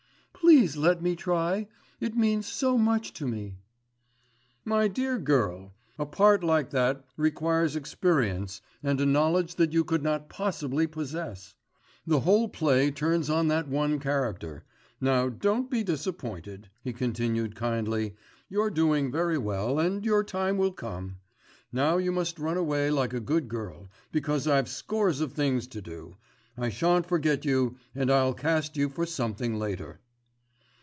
"Please let me try, it means so much to me." "My dear girl, a part like that requires experience and a knowledge that you could not possibly possess. The whole play turns on that one character. Now don't be disappointed," he continued kindly, "you're doing very well and your time will come. Now you must run away like a good girl, because I've scores of things to do. I shan't forget you and I'll cast you for something later.